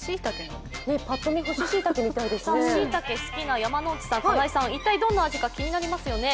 しいたけが好きな山内さん、金井さん、一体どんな味か気になりますよね。